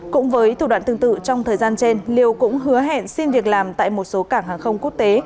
cũng với thủ đoạn tương tự trong thời gian trên liêu cũng hứa hẹn xin việc làm tại một số cảng hàng không quốc tế